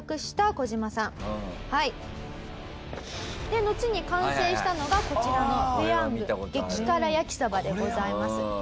でのちに完成したのがこちらのペヤング激辛やきそばでございます。